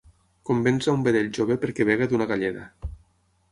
Convenç a un vedell jove perquè begui d'una galleda.